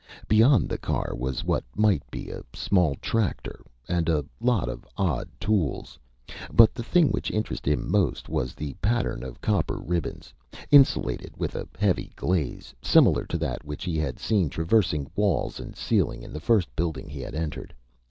Beyond the car was what might be a small tractor. And a lot of odd tools. But the thing which interested him most was the pattern of copper ribbons, insulated with a heavy glaze, similar to that which he had seen traversing walls and ceiling in the first building he had entered.